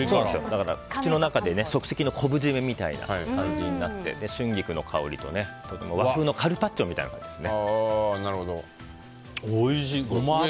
だから口の中で即席の昆布締めみたいな感じになって春菊の香りと和風のカルパッチョみたいな感じです。